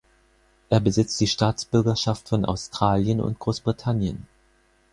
Er besitzt die Staatsbürgerschaft von Australien und Großbritannien.